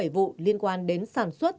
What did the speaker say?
ba mươi bảy vụ liên quan đến sản xuất